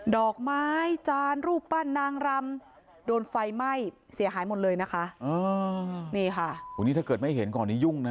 ดอกไม้จานรูปปั้นนางรำโดนไฟไหม้เสียหายหมดเลยนะคะอ๋อนี่ค่ะวันนี้ถ้าเกิดไม่เห็นก่อนนี้ยุ่งนะ